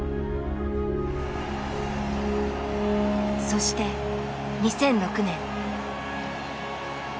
そして２００６年。